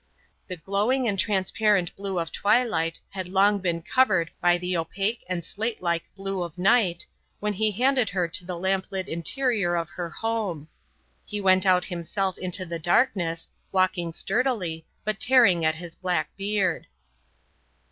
The glowing and transparent blue of twilight had long been covered by the opaque and slatelike blue of night, when he handed her into the lamp lit interior of her home. He went out himself into the darkness, walking sturdily, but tearing at his black beard.